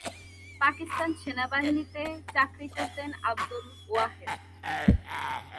পাকিস্তান সেনাবাহিনীতে চাকরি করতেন আবদুল ওয়াহেদ।